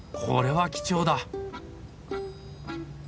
これは貴重だ。